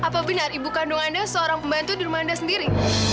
apa benar ibu kandung anda seorang pembantu di rumah anda sendiri